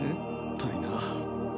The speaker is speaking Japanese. たいな